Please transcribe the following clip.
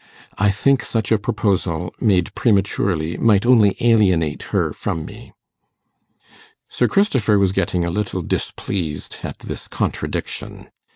I think such a proposal, made prematurely, might only alienate her from me.' Sir Christopher was getting a little displeased at this contradiction.